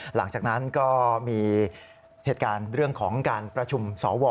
หลังจากนั้นก็มีเหตุการณ์เรื่องของการประชุมสว